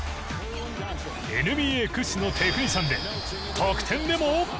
ＮＢＡ屈指のテクニシャンで得点でも。